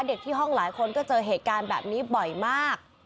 ที่ห้องหลายคนก็เจอเหตุการณ์แบบนี้บ่อยมาก